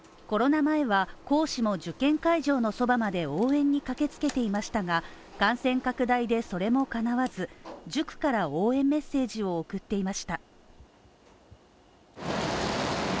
コロナ前は講師も受験会場のそばまで応援に駆けつけていましたが感染拡大でそれもかなわず塾から応援メッセージを送っていました。